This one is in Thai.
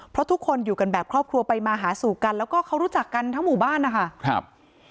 เพราะทุกคนอยู่กันแบบครอบครัวไปมาหาสู่กันแล้วก็เขารู้จักกันทั้งหมู่บ้านนะคะครับ